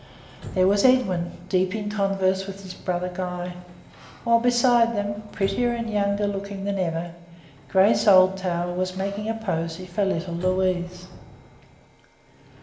There was Edwin, deep in converse with his brother Guy, while beside them prettier and younger looking than ever Grace Oldtower was making a posy for little Louise.